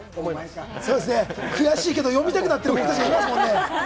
悔しいけど読みたくなってる僕がいますもんね。